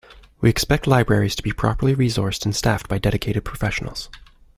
We expect libraries to be properly resourced and staffed by dedicated professionals.